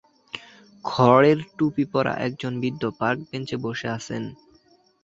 খড়ের টুপি পরা একজন বৃদ্ধ পার্ক বেঞ্চে বসে আছেন।